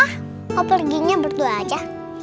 kok perginya berdua aja